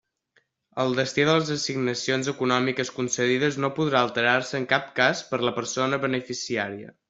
El destí de les assignacions econòmiques concedides no podrà alterar-se en cap cas per la persona beneficiària.